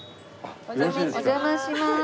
お邪魔します。